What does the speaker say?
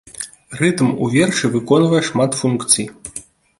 Рытм у вершы выконвае шмат функцый.